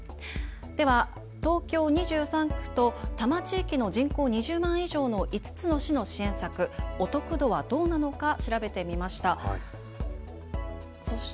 では東京２３区と多摩地域の人口２０万以上の５つの市の支援策、お得度はどうなのか調べてみました。